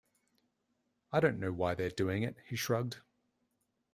"I don't know why they're doing it," he shrugged.